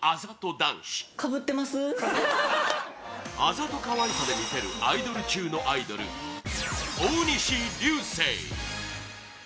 男子あざと可愛さでみせるアイドル中のアイドル大西流星